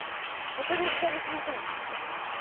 お茶の時間にしましょうよ。